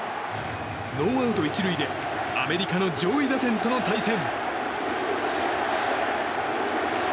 ノーアウト１塁でアメリカの上位打線との対戦。